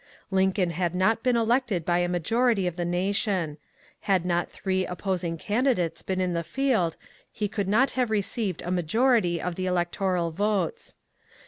Lincoln had not been elected by a majority of the nation ; had not three opposing candidates been in the field, he could not have received a majority of the electoral votes.